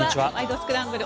スクランブル」